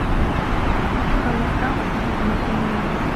Каласал: ужмеке мыйым